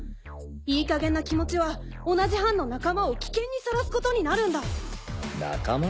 いい加減な気持ちは同じ班の仲間を危険にさらすことになるんだ。